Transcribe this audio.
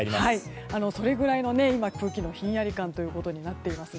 それぐらいの空気のひんやり感となっております。